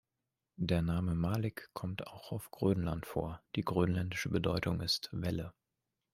Der Name Malik kommt auch auf Grönland vor, die grönländische Bedeutung ist „Welle“.